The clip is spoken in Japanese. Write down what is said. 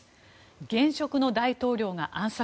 現職の大統領が暗殺。